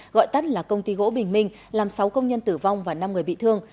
gọi tắt là công ty gỗ bình minh làm sáu công nhân tử vong và năm người bị thương